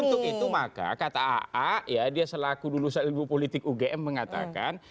untuk itu maka kata aa ya dia selaku dulu politik ugm mengatakan